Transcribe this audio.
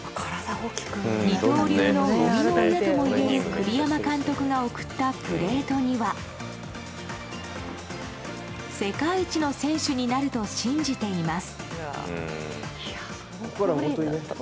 二刀流の生みの親ともいえる栗山監督が贈ったプレートには世界一の選手になると信じています。